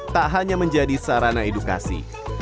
tak hanya menjadi sarana edukasi